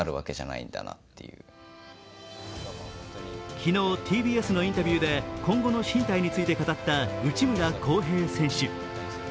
昨日、ＴＢＳのインタビューで今後の進退について語った内村航平選手。